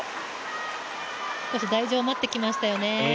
少し台上待ってきましたよね。